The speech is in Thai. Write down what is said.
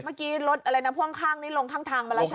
เมื่อกี้รถอะไรนะพ่วงข้างนี้ลงข้างทางไปแล้วใช่ไหม